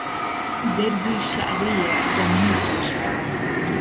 دهردی شەعرهیه بە منی کێشاوه